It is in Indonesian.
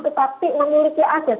tetapi memiliki aset